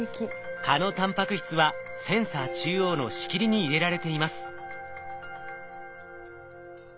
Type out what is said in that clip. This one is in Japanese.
蚊のタンパク質はセンサー中央の仕切りに入れられています。